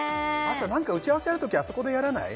朝なんか打ち合わせあるときあそこでやらない？